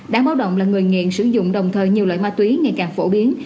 đáng báo động là người nghiện sử dụng đồng thời nhiều loại ma túy ngày càng phổ biến